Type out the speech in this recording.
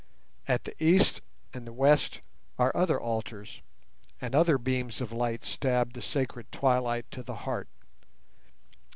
At the east and the west are other altars, and other beams of light stab the sacred twilight to the heart.